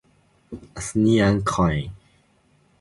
Athenian coin.